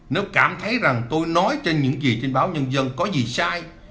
nếu cảm thấy rằng tôi nói trên những gì trên báo nhân dân có gì sai